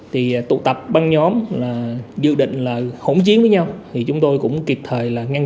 tụ tập băng nhóm dự định hỗn chiến với nhau chúng tôi cũng kịp thời ngăn chặn